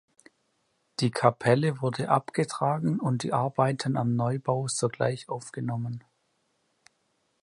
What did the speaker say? Die Kapelle wurde abgetragen und die Arbeiten am Neubau sogleich aufgenommen.